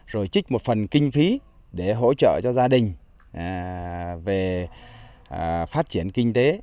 rồi trích một phần kinh phí để hỗ trợ cho gia đình về phát triển kinh tế